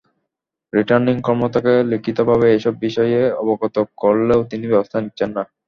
Returning কর্মকর্তাকে লিখিতভাবে এসব বিষয়ে অবগত করলেও তিনি ব্যবস্থা নিচ্ছেন না।